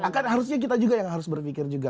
kan harusnya kita juga yang harus berpikir juga